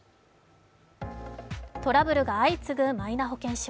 トラブルが相次ぐマイナ保険証。